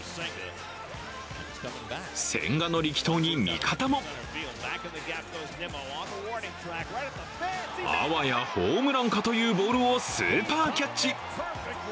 千賀の力投に味方もあわやホームランかというボールをスーパーキャッチ。